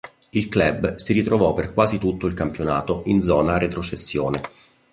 Il club si trovò per quasi tutto il campionato in zona retrocessione.